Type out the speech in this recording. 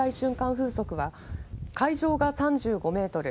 風速は海上が３５メートル